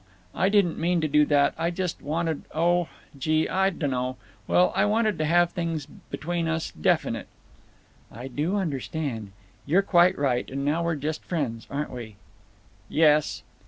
I didn't mean to do that. I just wanted—oh, gee! I dunno—well, I wanted to have things between us definite." "I do understand. You're quite right. And now we're just friends, aren't we?" "Yes."